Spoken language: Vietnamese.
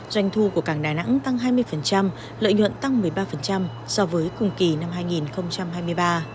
doanh thu của cảng đà nẵng tăng hai mươi lợi nhuận tăng một mươi ba so với cùng kỳ năm hai nghìn